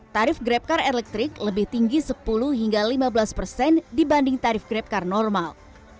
tarif grab car electric lebih tinggi sepuluh hingga lima belas persen dibanding tarif grab car normal